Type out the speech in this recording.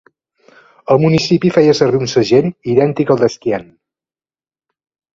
El municipi feia servir un segell idèntic al de Skien.